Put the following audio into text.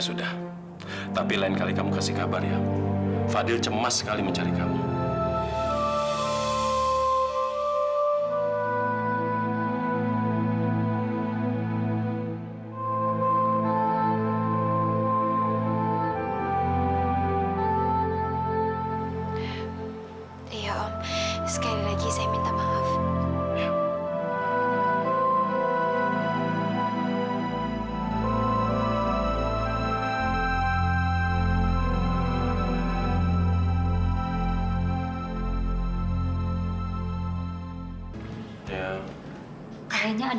sampai jumpa di video selanjutnya